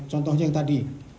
contohnya yang tadi